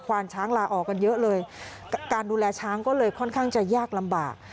วานช้างลาออกกันเยอะเลยการดูแลช้างก็เลยค่อนข้างจะยากลำบาก